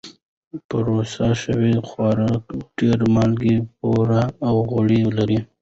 پروسس شوي خواړه ډېر مالګه، بوره او غوړي لري.